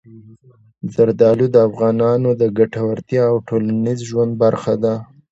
زردالو د افغانانو د ګټورتیا او ټولنیز ژوند برخه ده.